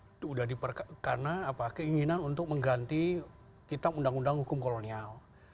itu sudah karena keinginan untuk mengganti kitab undang undang hukum kolonial